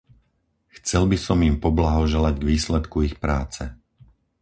Chcel by som im poblahoželať k výsledku ich práce.